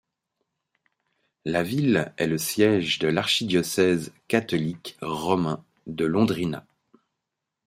La ville est le siège de l 'Archidiocèse catholique romain de Londrina.